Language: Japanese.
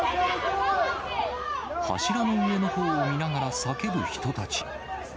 柱の上のほうを見ながら叫ぶ人たち。